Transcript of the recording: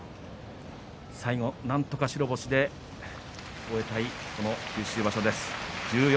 最後になんとか白星で終えたい九州場所です。